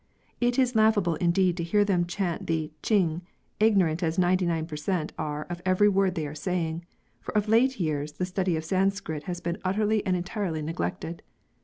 It is laughable indeed to hear them chant the Chiiig, ignorant as ninety nine per cent, are of every word they are saying, for of late years the study of Sanskrit has been utterly and entirely neglected.